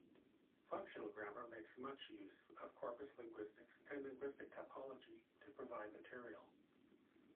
Functional grammar makes much use of corpus linguistics and linguistic typology to provide material.